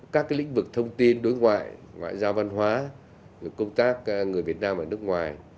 các lĩnh vực thông tin đối ngoại ngoại giao văn hóa công tác người việt nam ở nước ngoài